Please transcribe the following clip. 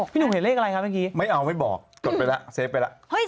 พี่หนุ่มเห็นเลขอะไรครับเมื่อกี้